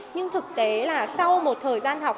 nhưng thực tế là sau một thời gian học